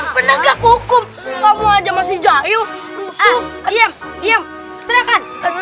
penegak hukum kamu aja masih jahil iya iya